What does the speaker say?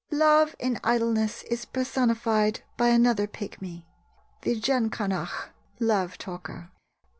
Love in idleness is personified by another pigmy, the Geancanach (love talker).